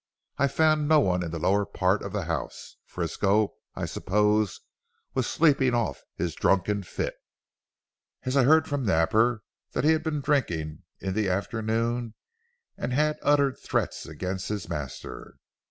I found no one in the lower part of the house. Frisco, I suppose was sleeping off his drunken fit, as I heard from Napper that he had been drinking in the afternoon and had uttered threats against his master.